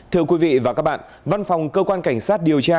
thưa quý vị và các bạn văn phòng cơ quan cảnh sát điều tra